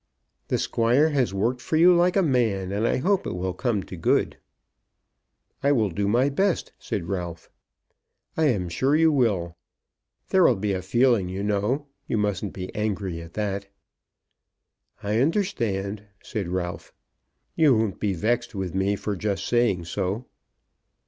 "The Squire has worked for you like a man, and I hope it will come to good." "I will do my best," said Ralph. "I am sure you will. There will be a feeling, you know. You mustn't be angry at that." "I understand," said Ralph. "You won't be vexed with me for just saying so."